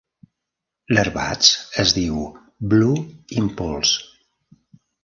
L'Airbats es diu "Blue Impulse".